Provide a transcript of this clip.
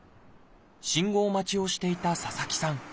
信号待ちをしていた佐々木さん。